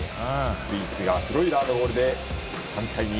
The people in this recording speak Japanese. スイスがフロイラーのゴールで３対２。